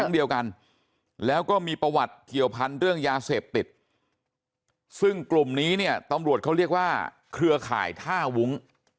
เดียวกันแล้วก็มีประวัติเกี่ยวพันธุ์เรื่องยาเสพติดซึ่งกลุ่มนี้เนี่ยตำรวจเขาเรียกว่าเครือข่ายท่าวุ้ง